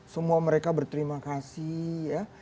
semua mereka berterima kasih